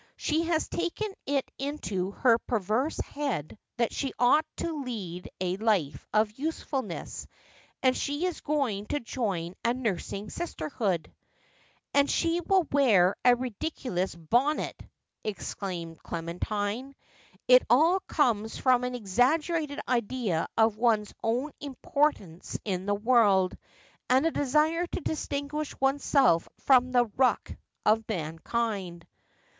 ' She has taken it into her perverse head that she ought to lead a life of usefulness, and she is going to join a nursing sisterhood.' ' And she will wear a ridiculous bonnet,' exclaimed Clemen tine. ' It all comes from an exaggerated idea of one's own importance in the world, and a desire to distinguish one's self from the ruck of mankind.'